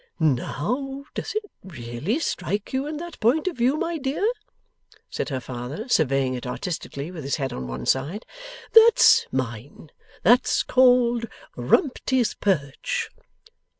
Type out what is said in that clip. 'Now, does it really strike you in that point of view, my dear?' said her father, surveying it artistically with his head on one side: 'that's mine. That's called Rumty's Perch.